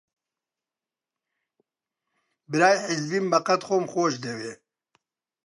برای حیزبیم بەقەد خۆم خۆش دەوێ